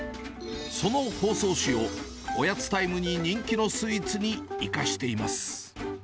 その包装紙をおやつタイムに人気のスイーツに生かしています。